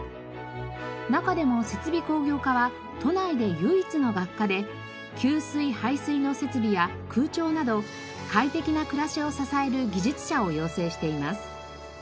中でも設備工業科は都内で唯一の学科で給水排水の設備や空調など快適な暮らしを支える技術者を養成しています。